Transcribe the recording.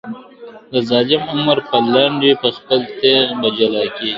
د ظالم عمر به لنډ وي په خپل تېغ به حلالیږي .